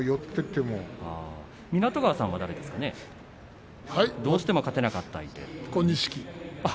湊川さんはどうしても勝てなかった相手は？